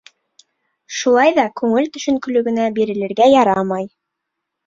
Шулай ҙа күңел төшөнкөлөгөнә бирелергә ярамай.